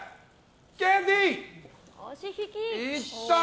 ケンティー！